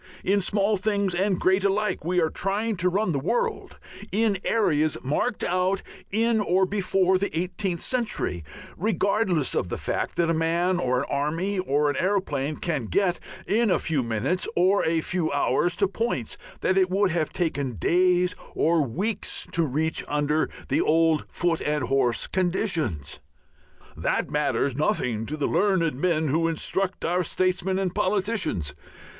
In small things and great alike we are trying to run the world in areas marked out in or before the eighteenth century, regardless of the fact that a man or an army or an aeroplane can get in a few minutes or a few hours to points that it would have taken days or weeks to reach under the old foot and horse conditions. That matters nothing to the learned men who instruct our statesmen and politicians.